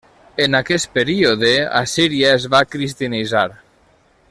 En aquest període Assíria es va cristianitzar.